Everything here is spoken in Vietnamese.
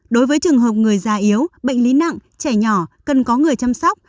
đối với trường hợp người già yếu bệnh lý nặng trẻ nhỏ cần có người chăm sóc